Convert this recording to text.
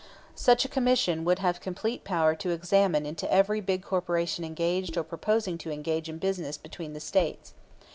Such a Commission would have complete power to examine into every big corporation engaged or proposing to engage in business between the States.